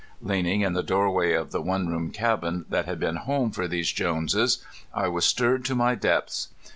Leaning in the doorway of the one room cabin that had been home for these Joneses I was stirred to my depths.